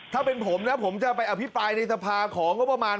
ถ้าเป็นผมนะผมจะไปอภิปรายในสภาของงบประมาณ